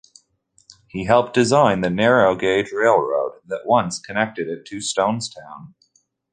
He helped design the narrow gauge railroad that once connected it to Sonestown.